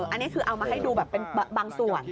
อันนี้คือเอามาให้ดูแบบเป็นบางส่วน